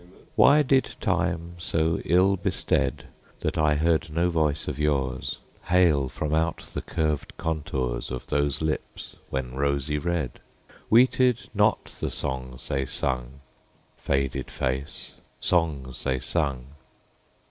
Why did Time so ill bestead That I heard no voice of yours Hail from out the curved contours Of those lips when rosy red; Weeted not the songs they sung, Faded Face, Songs they sung!